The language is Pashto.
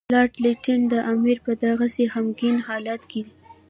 لارډ لیټن د امیر په دغسې غمګین حالت کې.